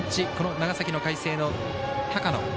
長崎の海星の高野。